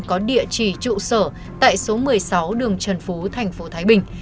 có địa chỉ trụ sở tại số một mươi sáu đường trần phú tp thái bình